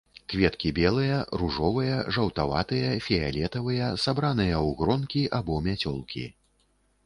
Кветкі белыя, ружовыя, жаўтаватыя, фіялетавыя, сабраныя ў гронкі або мяцёлкі.